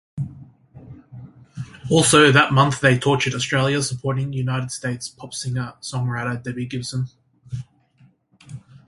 Also that month they toured Australia supporting United States pop singer-songwriter, Debbie Gibson.